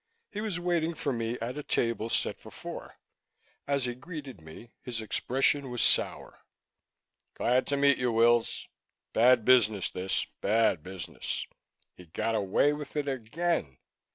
He was waiting for me at a table set for four. As he greeted me, his expression was sour. "Glad to meet you, Wills. Bad business, this. Bad business. He got away with it again."